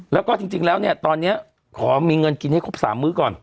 แล้วก็จริงแล้วเนี่ยตอนนี้ขอมีเงินกินให้ครบ๓มื้อก่อน